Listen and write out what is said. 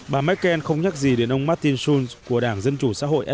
bà merkel không nhắc gì đến ông martin schulz của đảng dân chủ xã hội ấn độ